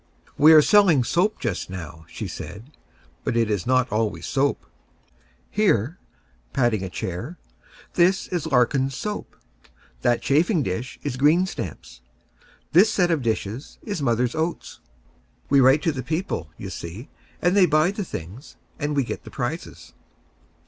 "We are selling soap just now," she said; "but it is not always soap. Here," patting a chair, "this is Larkin's soap; that chafing dish is green stamps; this set of dishes is Mother's Oats. We write to the people, you see, and they buy the things, and we get the prizes.